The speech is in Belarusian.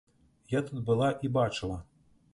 Я тут была і бачыла!